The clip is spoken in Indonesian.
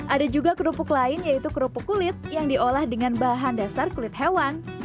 ada juga kerupuk lain yaitu kerupuk kulit yang diolah dengan bahan dasar kulit hewan